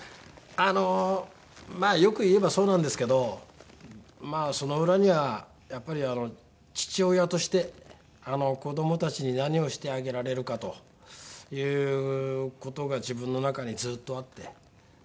あのまあよく言えばそうなんですけどまあその裏にはやっぱり父親として子どもたちに何をしてあげられるかという事が自分の中にずっとあって。